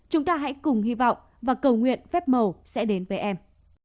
chúng ta hãy cùng hy vọng và cầu nguyện phép màu sẽ đến với em